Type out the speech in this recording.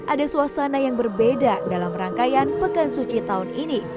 ada suasana yang berbeda dalam rangkaian pekan suci tahun ini